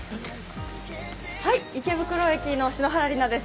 池袋駅の篠原梨菜です。